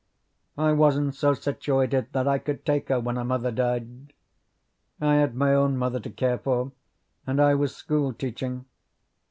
I wasn't so situated that I could take her when her mother died. I had my own mother to care for, and I was school teaching.